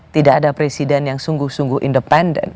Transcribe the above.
tidak ada presiden yang sungguh sungguh independen